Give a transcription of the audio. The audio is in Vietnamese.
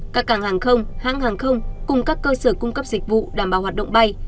các càng hàng không hãng hàng không cùng các cơ sở cung cấp dịch vụ đảm bảo hoạt động bay